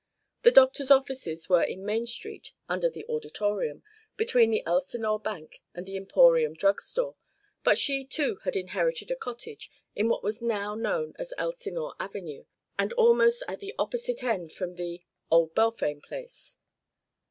The doctor's offices were in Main Street under the Auditorium, between the Elsinore Bank and the Emporium drug store, but she too had inherited a cottage in what was now known as Elsinore Avenue, and almost at the opposite end from the "Old Balfame Place."